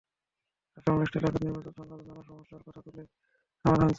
তাঁরা সংশ্লিষ্ট এলাকার নির্বাচন-সংক্রান্ত নানা সমস্যার কথা তুলে ধরে সমাধান চান।